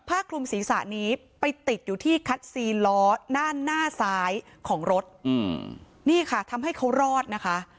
คลุมศีรษะนี้ไปติดอยู่ที่คัดซีล้อด้านหน้าซ้ายของรถอืมนี่ค่ะทำให้เขารอดนะคะ